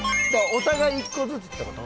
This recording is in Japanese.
お互い１個ずつって事？